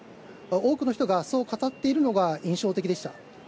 多くの人がそう語っているのが印象的でした。